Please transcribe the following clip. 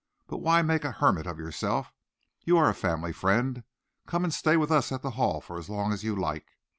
But why make a hermit of yourself? You are a family friend. Come and stay with us at the Hall for as long as you like.